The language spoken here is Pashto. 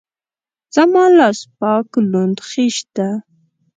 زما لاس پاک لوند خيشت ده.